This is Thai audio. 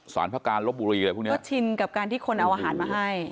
พระการลบบุรีอะไรพวกนี้ก็ชินกับการที่คนเอาอาหารมาให้